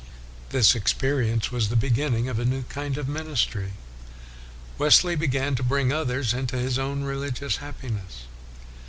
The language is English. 1 This experience was the beginning of a new kind of ministry. Wesley began to bring others into his own religious happi ness.